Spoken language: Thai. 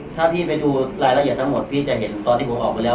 ถ้าพี่ไปดูรายละเอียดทั้งหมดพี่จะเห็นตอนที่ผมออกไปแล้ว